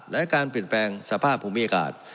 และการเปลี่ยนแปลงสภาพภูมิอากาศ